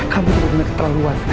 kamu tuh bener bener terlaluan